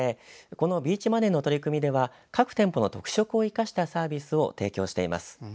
このビーチマネーの取り組みは各店舗の特色を生かしたサービスを提供しています。